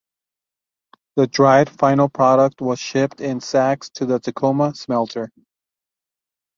The dried final product was shipped in sacks to the Tacoma smelter.